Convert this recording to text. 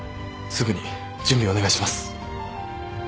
すぐに準備をお願いします。